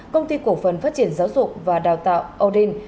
công ty cổ phần phát triển giáo dục và đào tạo audin